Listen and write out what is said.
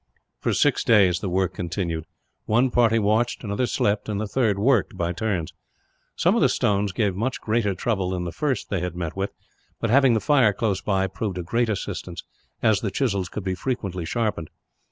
For six days the work continued. One party watched, another slept, and the third worked, by turns. Some of the stones gave much greater trouble than the first they had met with; but having the fire close by proved a great assistance, as the chisels could be frequently sharpened.